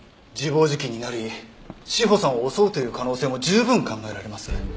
自暴自棄になり詩帆さんを襲うという可能性も十分考えられます。